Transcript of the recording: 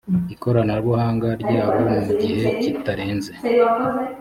ikoranabuhanga ryabo mu gihe kitarenze